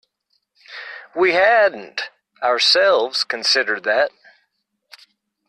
We hadn't, ourselves, considered that.